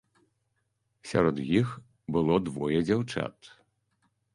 Сярод іх было двое дзяўчат.